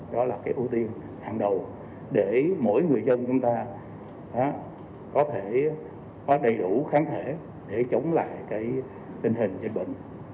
đó là cái ưu tiên hàng đầu để mỗi người dân chúng ta có thể có đầy đủ kháng thể để chống lại cái tình hình dịch bệnh